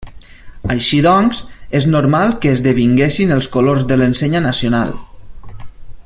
Així doncs, és normal que esdevinguessin els colors de l'ensenya nacional.